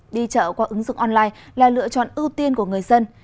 đi chợ qua ứng dụng online là lựa chọn ưu tiên của người dân